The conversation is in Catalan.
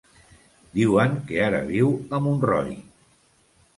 Diuen que ara viu a Montroi.